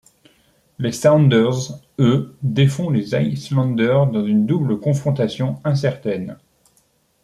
Les Sounders eux, défont les Islanders dans une double confrontation incertaine.